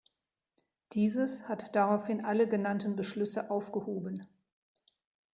Dieses hat daraufhin alle genannten Beschlüsse aufgehoben.